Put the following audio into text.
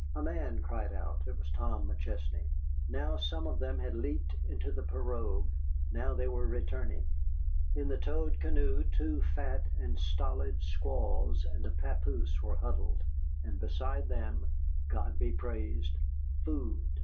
A man cried out (it was Tom McChesney); now some of them had leaped into the pirogue, now they were returning. In the towed canoe two fat and stolid squaws and a pappoose were huddled, and beside them God be praised! food.